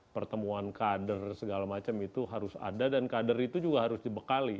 pertemuan kader segala macam itu harus ada dan kader itu juga harus dibekali